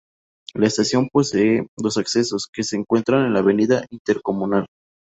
La estación posee dos accesos, que se encuentran en la avenida Intercomunal.